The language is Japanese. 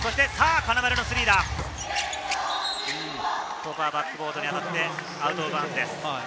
ここはバックボードに当たって、アウトオブバウンズです。